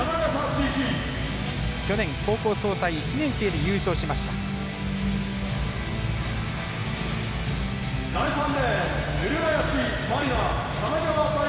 去年、高校総体１年生で優勝しました、長岡。